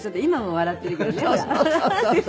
笑ってるけども。